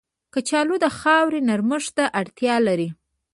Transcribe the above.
کچالو د خاورې نرمښت ته اړتیا لري